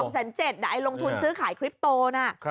๒แสน๗แต่ไอ้ลงทุนซื้อขายคริปโตนะ